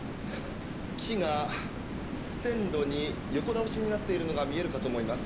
木が、線路に横倒しになっているのが見えるかと思います。